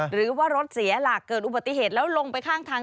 หรือว่ารถเสียหลักเกิดอุบัติเหตุแล้วลงไปข้างทาง